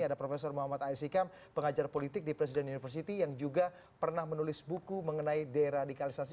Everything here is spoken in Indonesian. ada prof muhammad aisyikam pengajar politik di presiden university yang juga pernah menulis buku mengenai deradikalisasi